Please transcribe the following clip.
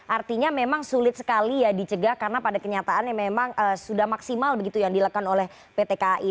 artinya memang sulit sekali ya dicegah karena pada kenyataannya memang sudah maksimal begitu yang dilakukan oleh pt kai